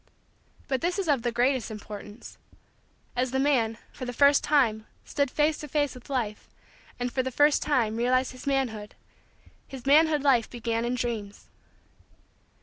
But this is of the greatest importance: as the man, for the first time, stood face to face with Life and, for the first time, realized his manhood, his manhood life began in Dreams.